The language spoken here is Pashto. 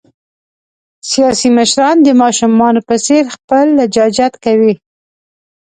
سیاسي مشران د ماشومان په څېر خپل لجاجت کوي.